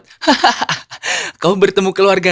hahaha kau bertemu keluarga